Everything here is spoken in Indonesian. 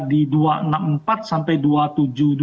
di rp dua enam ratus sampai rp dua tujuh ratus